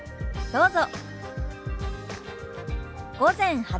どうぞ。